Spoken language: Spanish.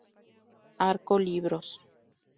Arco Libros.